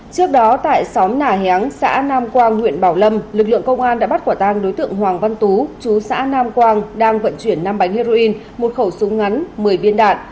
trước đó tại xóm nà héng xã nam quang huyện bảo lâm lực lượng công an đã bắt quả tang đối tượng hoàng văn tú chú xã nam quang đang vận chuyển năm bánh heroin một khẩu súng ngắn một mươi viên đạn